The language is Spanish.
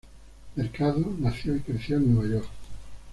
Mercado nació y creció en Nueva York.